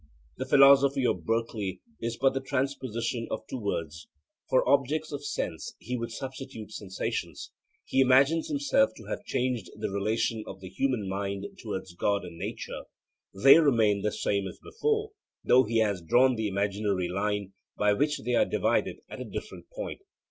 The philosophy of Berkeley is but the transposition of two words. For objects of sense he would substitute sensations. He imagines himself to have changed the relation of the human mind towards God and nature; they remain the same as before, though he has drawn the imaginary line by which they are divided at a different point.